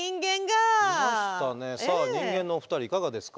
さあ人間のお二人いかがですか？